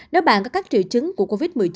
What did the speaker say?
nếu bạn có các triệu chứng của covid một mươi chín